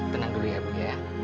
tenang dulu ya bu ya